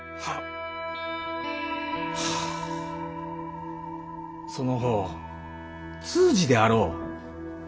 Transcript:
はぁその方通詞であろう。